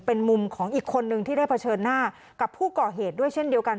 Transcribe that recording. เป็นมุมของอีกคนนึงที่ได้เผชิญหน้ากับผู้ก่อเหตุด้วยเช่นเดียวกัน